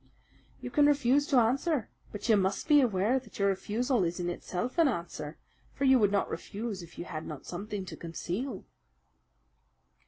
"You can refuse to answer; but you must be aware that your refusal is in itself an answer, for you would not refuse if you had not something to conceal."